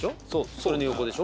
それの横でしょ？